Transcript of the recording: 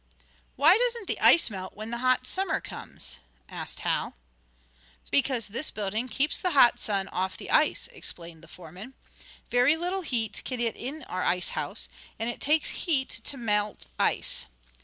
"Why doesn't the ice melt when the hot summer comes?" asked Hal. "Because this building keeps the hot sun off the ice," explained the foreman. "Very little heat can get in our ice house, and it takes heat to melt ice.